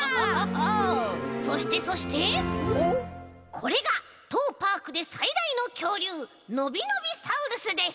これがとうパークでさいだいのきょうりゅうのびのびサウルスです。